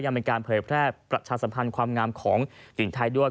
ยังเป็นการเผยแพร่ประชาสัมพันธ์ความงามของหญิงไทยด้วย